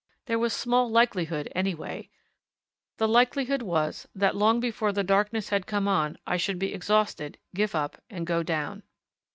There was small likelihood, anyway; the likelihood was that long before the darkness had come on I should be exhausted, give up, and go down.